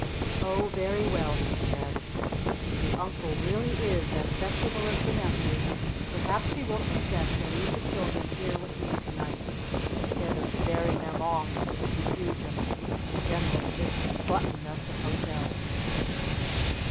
"Oh very well," she said. "If the Uncle really is as sensible as the nephew perhaps he will consent to leave the children here with me to night instead of bearing them off to the confusion and general mis button ness of hotels."